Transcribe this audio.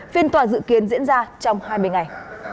phiên tòa dự kiến diễn ra trong hai mươi ngày